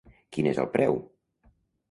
Quin és el preu?